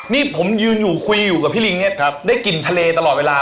นี่ผมยืนอยู่คุยอยู่กับพี่ลิงเนี่ยได้กลิ่นทะเลตลอดเวลา